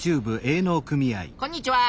こんにちは。